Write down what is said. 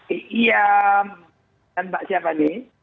iya dan mbak siapa nih